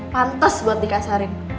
pantes buat dikasarin